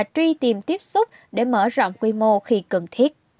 truy tìm tiếp xúc để mở rộng quy mô khi cần thiết